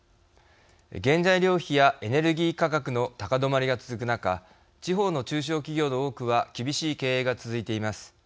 原材料費やエネルギー価格の高止まりが続く中地方の中小企業の多くは厳しい経営が続いています。